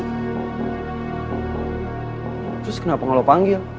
terus kenapa gak lo panggil